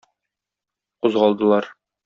Кузгалдылар.